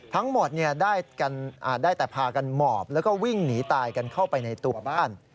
ทั้งหมดได้แต่พากันหมอบแล้วก็วิ่งหนีตายกันเข้าไปในตัวบ้าน